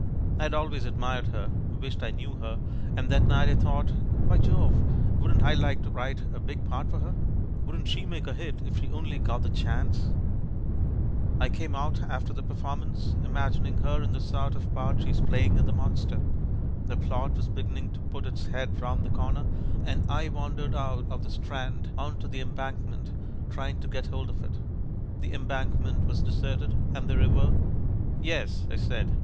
I had al ways admired her, wished I knew her, and that night I thought, 'By Jove, wouldn't I like to vn ite a big part for her! Wouldn't she make a hit if she only got the chance !' I came out after the performance imagining her in the sort of part she's playing m the monster. A plot was beginning to put its head round the corner, and I wandered out of the Strand on to the Embank ment trying to get hold of it. The Embank ment was deserted, and the river " "Yes," I said.